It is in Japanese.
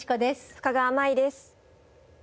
深川麻衣です。